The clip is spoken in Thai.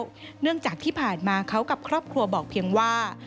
เนื่องจากที่ผ่านมาเขากับครอบครัวบอกเพียงว่า